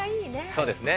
そうですね。